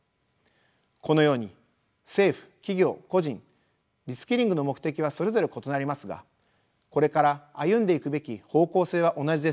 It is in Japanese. このように政府・企業・個人リスキリングの目的はそれぞれ異なりますがこれから歩んでいくべき方向性は同じです。